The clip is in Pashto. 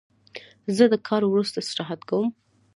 زه د کار وروسته استراحت کوم.